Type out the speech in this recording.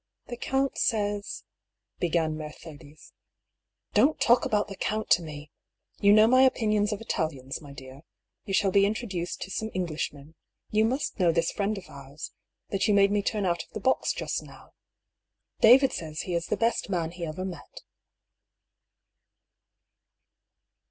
" The count says ^" began Mercedes. " Don't talk about the count to me ! You know my opinion of Italians, my dear. You shall be introduced to some Englishmen. You must know this friend of ours, that you made me turn out of the box just now. David says he is the best man he ever met."